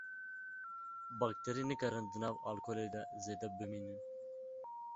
Bakterî nikarin di nav alkolê de zêde bimînin.